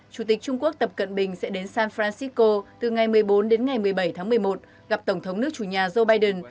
chủ tịch trung quốc tập cận bình sẽ đến san francisco từ ngày một mươi bốn đến ngày một mươi bảy tháng một mươi một gặp tổng thống nước chủ nhà joe biden